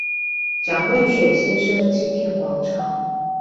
蔣渭水先生紀念廣場